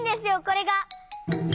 これが。